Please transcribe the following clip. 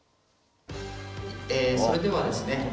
えそれではですね